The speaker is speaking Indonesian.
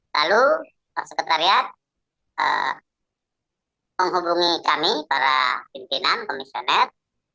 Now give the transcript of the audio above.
lalu sekretariat menghubungi kami para pimpinan komisioner